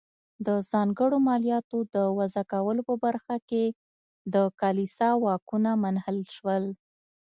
د ځانګړو مالیاتو د وضع کولو په برخه کې د کلیسا واکونه منحل شول.